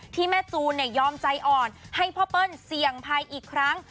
ที่แม่จูนยอมใจอ่อนให้พ่อเปิ้ลเสี่ยงภัยอีกครั้ง